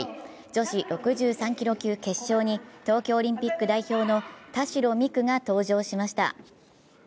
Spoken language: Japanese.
女子６３キロ級決勝に東京オリンピック代表の田代未来が登場しました。